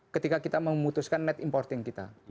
ketika kita memutuskan net importing kita